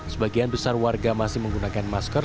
sebagian besar warga masih menggunakan masker